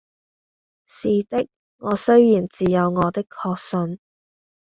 是的，我雖然自有我的確信，